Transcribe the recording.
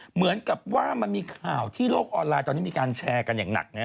เหมือนกับว่ามันมีข่าวที่โลกออนไลน์ตอนนี้มีการแชร์กันอย่างหนัก